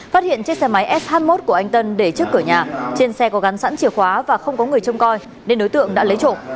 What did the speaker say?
phát hiện trên xe máy s hai mươi một của anh trần trí tân để trước cửa nhà trên xe có gắn sẵn chìa khóa và không có người trông coi nên đối tượng đã lấy trộm